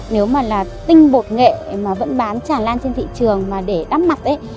nếu mà là tinh bột nghệ mà vẫn bán tràn lan trên thị trường mà để đắp mặt